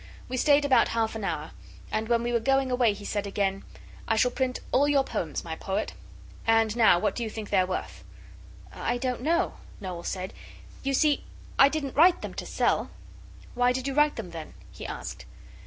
We stayed about half an hour, and when we were going away he said again 'I shall print all your poems, my poet; and now what do you think they're worth?' 'I don't know,' Noel said. 'You see I didn't write them to sell.' 'Why did you write them then?' he asked.